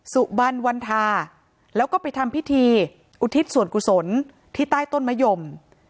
สุบันวันทาแล้วก็ไปทำพิธีอุทิศส่วนกุศลที่ใต้ต้นมะยม